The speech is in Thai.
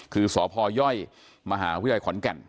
คือสพยมหาวิทยาลัยขอนแก่น